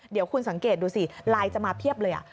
เดี๋ยวคุณสังเกตดูสิไลน์จะมาเพียบเลย